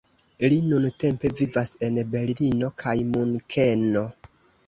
Li nuntempe vivas en Berlino kaj Munkeno.